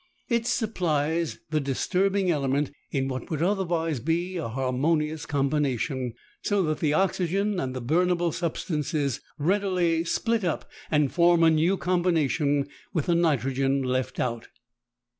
It supplies the disturbing element in what would otherwise be a harmonious combination, so that the oxygen and the burnable substances readily split up and form a new combination, with the nitrogen left out.